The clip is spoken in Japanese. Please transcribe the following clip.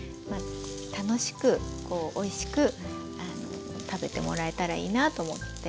楽しくおいしく食べてもらえたらいいなと思って。